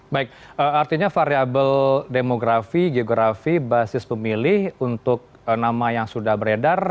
baik artinya variable demografi geografi basis pemilih untuk nama yang sudah beredar